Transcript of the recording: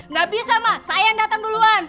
nggak bisa mak saya yang datang duluan